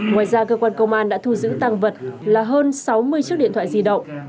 ngoài ra cơ quan công an đã thu giữ tăng vật là hơn sáu mươi chiếc điện thoại di động